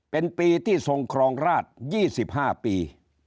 เป็นปีที่ทรงครองราชยี่สิบห้าปี